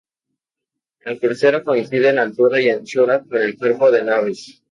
El crucero coincide en altura y anchura con el cuerpo de naves.